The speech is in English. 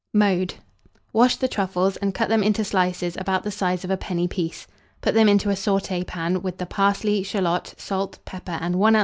Mode. Wash the truffles and cut them into slices about the size of a penny piece; put them into a sauté pan, with the parsley, shalot, salt, pepper, and 1 oz.